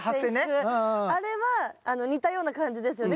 あれは似たような感じですよね